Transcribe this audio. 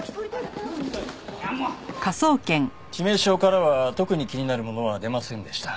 致命傷からは特に気になるものは出ませんでした。